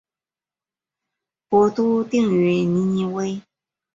国都定于尼尼微。